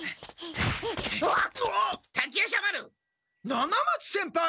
七松先輩！